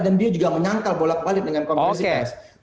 dan dia juga menyangkal bolak balik dengan kongres itu